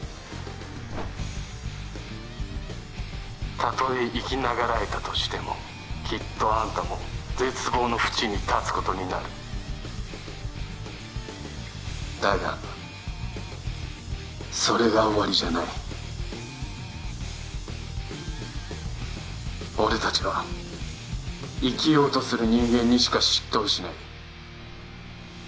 たとえ生きながらえたとしてもきっとあんたも絶望のふちに立つことになるだがそれが終わりじゃない俺達は生きようとする人間にしか執刀しない